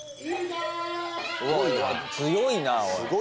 強いなおい。